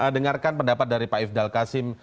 dengarkan pendapat dari pak ifdal kasim